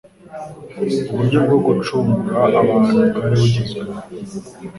Uburyo bwo gucungura abantu bwari bugezweho,